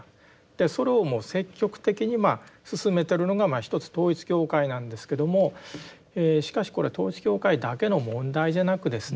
それをもう積極的に進めてるのが一つ統一教会なんですけどもしかしこれ統一教会だけの問題じゃなくですね